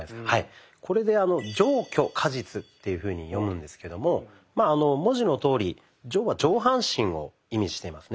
これで「じょうきょかじつ」というふうに読むんですけどもまあ文字のとおり「上」は上半身を意味していますね。